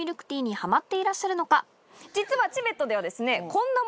実は。